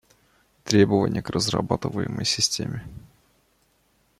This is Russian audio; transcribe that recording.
Требования к разрабатываемой системе